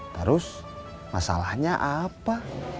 terus masalahnya apa